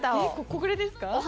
ここでですか？